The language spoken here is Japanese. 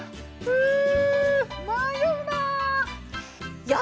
うん！